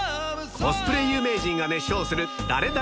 コスプレ有名人が熱唱するダレダレ？